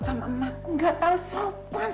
sama emak nggak tahu sopan